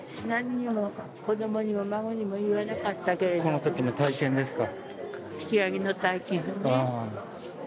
このときの体験ですか？